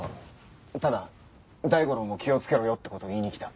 ただ大五郎も気をつけろよって事を言いに来た。